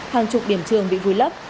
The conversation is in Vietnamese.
hàng chục điểm trường bị vùi lấp